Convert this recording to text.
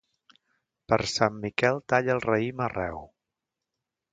Per Sant Miquel talla el raïm arreu.